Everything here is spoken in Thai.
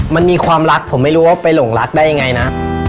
มันมีความรักผมไม่รู้ว่าไปหลงรักได้ยังไงนะ